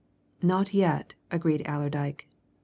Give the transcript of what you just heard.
"Not yet," agreed Allerdyke.